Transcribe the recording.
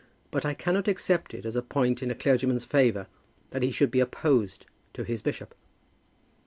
But I cannot accept it as a point in a clergyman's favour, that he should be opposed to his bishop."